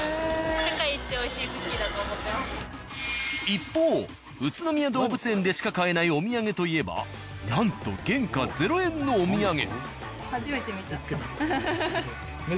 一方宇都宮動物園でしか買えないお土産といえばなんと原価ゼロ円のお土産。